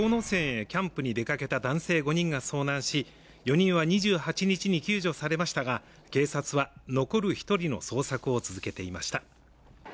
山へキャンプに出かけた男性５人が遭難し４人は２８日に救助されましたが警察は残る１人の捜索を続けていました。